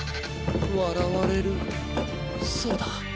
わらわれるそうだ！